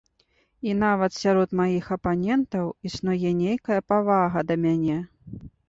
І нават сярод маіх апанентаў існуе нейкая павага да мяне.